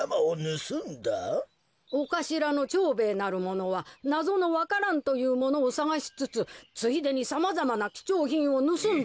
「おかしらの蝶兵衛なるものはなぞのわか蘭というものをさがしつつついでにさまざまなきちょうひんをぬすんでいくので」。